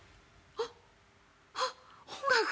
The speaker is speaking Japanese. あっ！